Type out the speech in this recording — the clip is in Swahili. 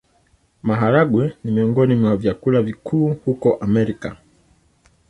Maharagwe ni miongoni mwa vyakula vikuu vya huko Amerika.